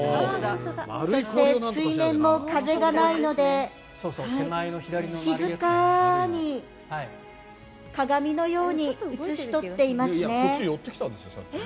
そして、水面も風がないので静かに鏡のように映し取っていますね。